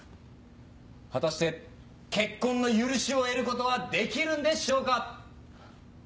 果たして結婚の許しを得ることはできるんでしょうか。